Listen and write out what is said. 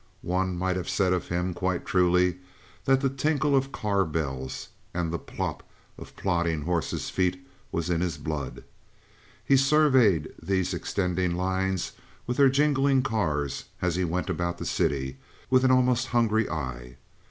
One might have said of him quite truly that the tinkle of car bells and the plop of plodding horses' feet was in his blood. He surveyed these extending lines, with their jingling cars, as he went about the city, with an almost hungry eye.